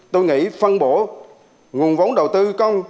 tôi nghĩ phân bổ nguồn vốn đầu tư công